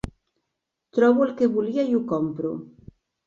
Trobo el que volia i ho compro.